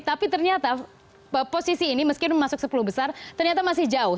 tapi ternyata posisi ini meskipun masuk sepuluh besar ternyata masih jauh